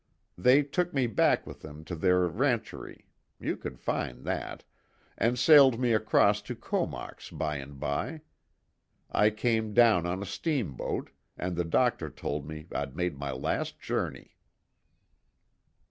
They took me back with them to their rancherie you could find that and sailed me across to Comox by and by. I came down on a steamboat, and the doctor told me I'd made my last journey."